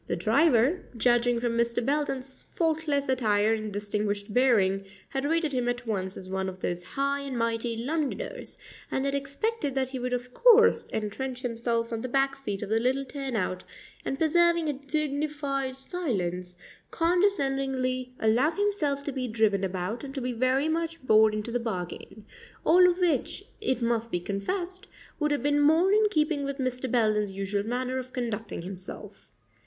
The driver, judging from Mr. Belden's faultless attire and distinguished bearing, had rated him at once as one of those high and mighty Londoners, and had expected that he would of course entrench himself on the back seat of the little turnout and, preserving a dignified silence, condescendingly allow himself to be driven about and to be very much bored into the bargain all of which, it must be confessed, would have been more in keeping with Mr. Belden's usual manner of conducting himself.